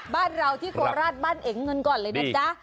บ้านเราที่โคราชบ้านเอ๋งเงินก่อนเลยนะจ๊ะ